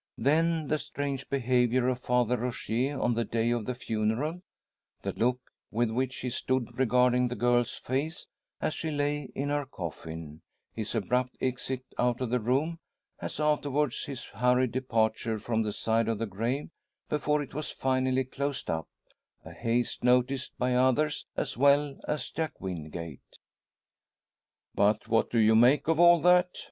Then the strange behaviour of Father Rogier on the day of the funeral; the look with which he stood regarding the girl's face as she lay in her coffin; his abrupt exit out of the room; as afterwards his hurried departure from the side of the grave before it was finally closed up a haste noticed by others as well as Jack Wingate. "But what do you make of all that?"